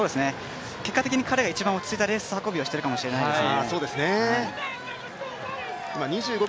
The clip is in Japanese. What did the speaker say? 結果的に彼が一番落ち着いたレース運びをしているかもしれないですね。